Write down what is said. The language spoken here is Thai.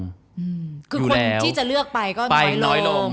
คือคนที่จะเลือกไปก็น้อยลง